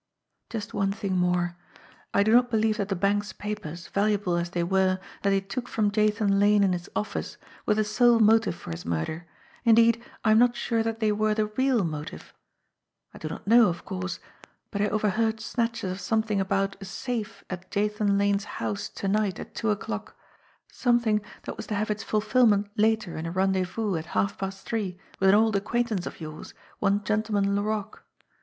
"Just one thing more. I do not believe that the bank's papers, valuable as they were, that they took from Jathan Lane in his office, were the sole motive for his murder; indeed, I am not sure that they were the real motive. I do not know, of course. But I overheard snatches of something about a safe at Jathan Lane's house to night at two o'clock, something that was to have its ful filment later in a rendezvous at half past three with an old ac quaintance of yours, one Gentleman Laroque.